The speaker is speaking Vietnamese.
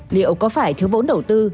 liệu có phải thiếu vốn đầu tư